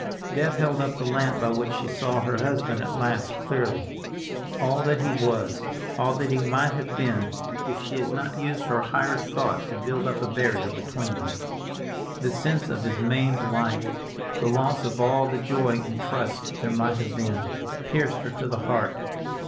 Death held up the lamp by which she saw her husband at last clearly—all that he was, all that he might have been if she had not used her higher thought to build up a barrier between them. The sense of his maimed life, the loss of all the joy and trust there might have been, pierced her to the heart.